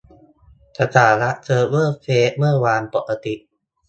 สถานะเซิร์ฟเวอร์เฟซเมื่อวาน : ปกติ